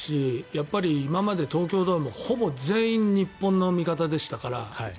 やっぱり今まで東京ドームはほぼ全員日本の味方でしたから。